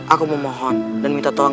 aku memohon dan minta tolong